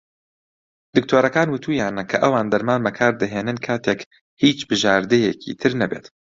دکتۆرەکان وتوویانە کە ئەوان دەرمان بەکار دەهێنن کاتێک "هیچ بژاردەیەکی تر نەبێت".